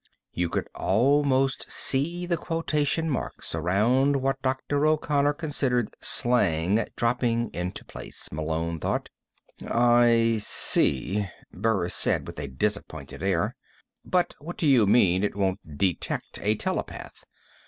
You could almost see the quotation marks around what Dr. O'Connor considered slang dropping into place, Malone thought. "I see," Burris said with a disappointed air. "But what do you mean, it won't detect a telepath?